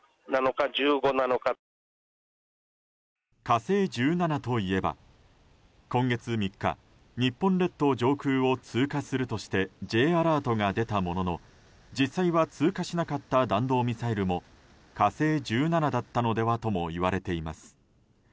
「火星１７」といえば今月３日日本列島上空を通過するとしてＪアラートが出たものの実際は通過しなかった弾道ミサイルも「火星１７」だったのではともいわれています。